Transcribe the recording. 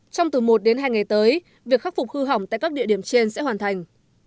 trong từ một đến hai ngày tới việc khắc phục hư hỏng tại các địa điểm trên sẽ hoàn thành